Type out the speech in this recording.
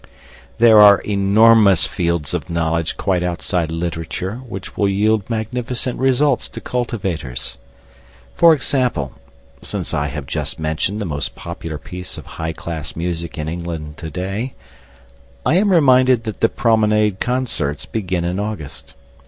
There are enormous fields of knowledge quite outside literature which will yield magnificent results to cultivators. For example (since I have just mentioned the most popular piece of high class music in England to day), I am reminded that the Promenade Concerts begin in August.